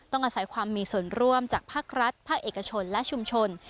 อาศัยความมีส่วนร่วมจากภาครัฐภาคเอกชนและชุมชน